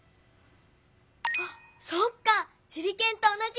ハッそっかしゅりけんとおなじ！